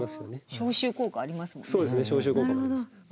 消臭効果ありますもんね。